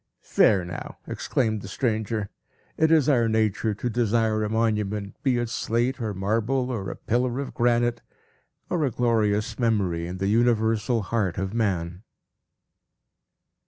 "There now!" exclaimed the stranger; "it is our nature to desire a monument, be it slate, or marble, or a pillar of granite, or a glorious memory in the universal heart of man."